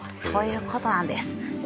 そういうことなんです。